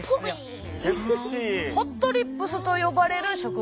ホットリップスと呼ばれる植物でございます。